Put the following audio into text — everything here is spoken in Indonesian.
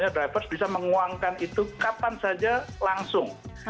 untuk driver bisa menguangkan itu kapan saja langsung